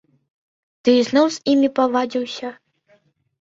Ты ізноў з ім павадзіўся?